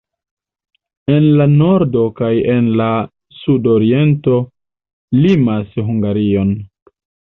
En la nordo kaj en la sudoriento limas Hungarion.